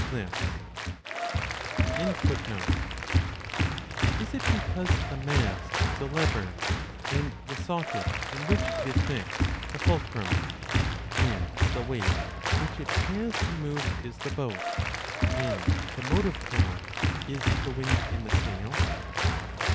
l Is it because the mast is a lever, and the 40 socket in which it is fixed, the fulcrum, and the weight 8s which it has to move is the boat, and the motive power is the wind in the sail